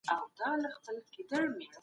هـغــه اوس سيــمــي د غـــزل تـــــه ځـــــي